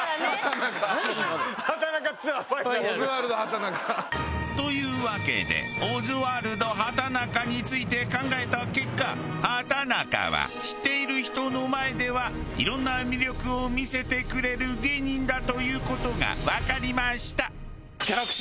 オズワルド畠中。というわけでオズワルド畠中について考えた結果畠中は知っている人の前では色んな魅力を見せてくれる芸人だという事がわかりました。